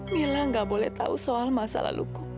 mila gak boleh tahu soal masalah luku